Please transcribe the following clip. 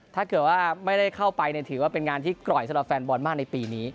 ถ้าเกิดว่าไม่ได้เข้าไปถือว่าเป็นงานที่กร่อยสำหรับแฟนบอลมากในปีนี้